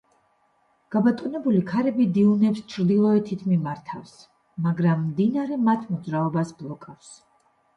გაბატონებული ქარები დიუნებს ჩრდილოეთით მიმართავს, მაგრამ მდინარე მათ მოძრაობას ბლოკავს.